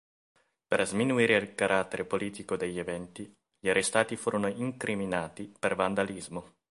Per sminuire il carattere politico degli eventi, gli arrestati furono incriminati per vandalismo.